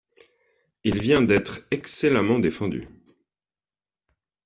Il vient d’être excellemment défendu.